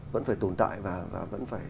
vẫn phải tồn tại và vẫn phải